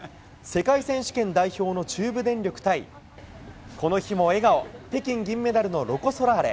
世界選手権代表の中部電力対、この日も笑顔、北京銀メダルのロコ・ソラーレ。